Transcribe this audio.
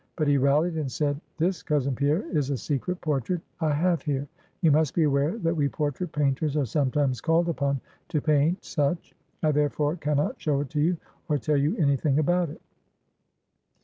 But he rallied, and said 'This, cousin Pierre, is a secret portrait I have here; you must be aware that we portrait painters are sometimes called upon to paint such. I, therefore, can not show it to you, or tell you any thing about it.'